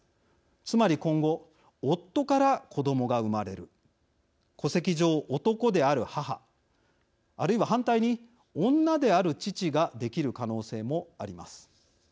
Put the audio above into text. つまり今後夫から子どもが産まれる戸籍上、男である母あるいは反対に女である父ができる可能性もあります。